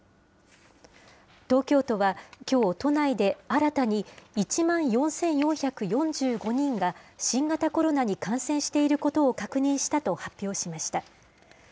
東京都はきょう、都内で新たに１万４４４５人が、新型コロナに感染していることを確認したと発表しました。